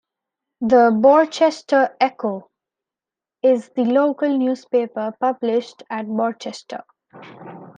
"The Borchester Echo" is the local newspaper published at Borchester.